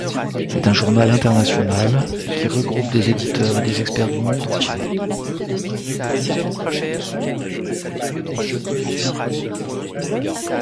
C’est un journal international qui regroupe des éditeurs et des experts du monde entier.